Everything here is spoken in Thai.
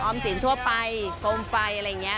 สินทั่วไปโคมไฟอะไรอย่างนี้